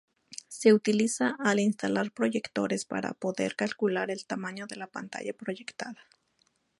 Se utiliza al instalar proyectores para poder calcular el tamaño de la pantalla proyectada.